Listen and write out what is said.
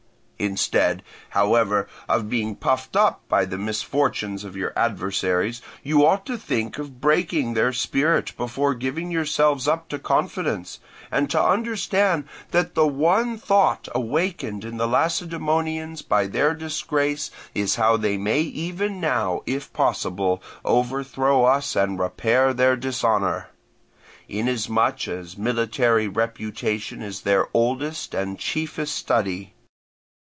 Instead, however, of being puffed up by the misfortunes of your adversaries, you ought to think of breaking their spirit before giving yourselves up to confidence, and to understand that the one thought awakened in the Lacedaemonians by their disgrace is how they may even now, if possible, overthrow us and repair their dishonour; inasmuch as military reputation is their oldest and chiefest study.